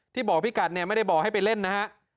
บอกพี่กัดเนี่ยไม่ได้บอกให้ไปเล่นนะฮะ